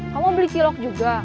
kamu beli cilok juga